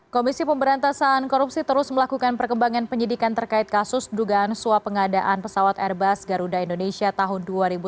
komisi pemberantasan korupsi terus melakukan perkembangan penyidikan terkait kasus dugaan suap pengadaan pesawat airbus garuda indonesia tahun dua ribu tujuh belas